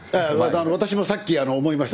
私もさっき思いました。